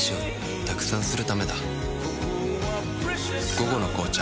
「午後の紅茶」